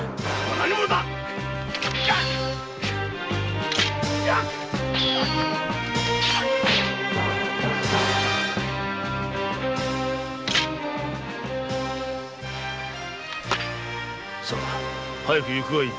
何者だ‼早くいくがいい。